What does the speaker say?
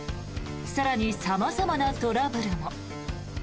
更に、様々なトラブルも。